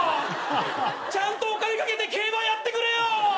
ちゃんとお金賭けて競馬やってくれよ！